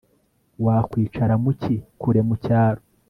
Wakwicara mu cyi kure mucyaro